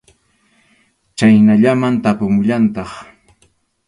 Chhaynallaman tapumullantaq.